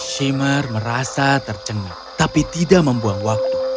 shimmer merasa tercengit tapi tidak membuang waktu